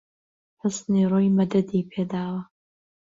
حوسنی ڕووی مەدەدی پێ داوە